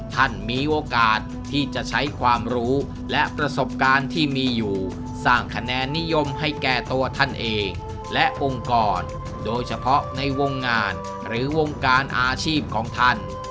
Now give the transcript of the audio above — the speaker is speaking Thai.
ท่านมีโอกาสที่จะใช้ความรู้และประสบการณ์ที่มีอยู่สร้างคะแนนนิยมให้แก่ตัวท่านเองและองค์กรโดยเฉพาะในวงงานหรือวงการอาชีพของท่าน